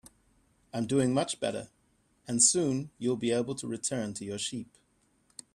I'm doing much better, and soon you'll be able to return to your sheep.